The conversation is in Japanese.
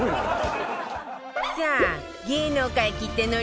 さあ芸能界きっての料理